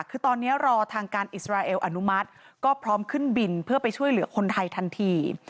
คือตอนนี้รอทางการอิสราเอลอนุมัติก็พร้อมขึ้นบินเพื่อไปช่วยเหลือคนไทยทันที